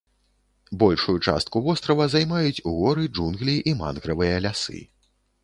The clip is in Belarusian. Большую частку вострава займаюць горы, джунглі і мангравыя лясы.